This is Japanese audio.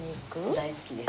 大好きです。